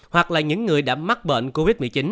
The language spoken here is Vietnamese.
hoặc là những người đã mắc bệnh covid một mươi chín